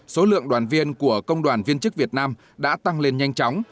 số lượng đoàn viên của công đoàn viên chức việt nam đã tăng lên nhanh chóng